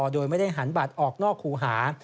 โดยไม่ได้หันบัตรออกนอกครูหา